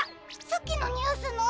さっきのニュースの？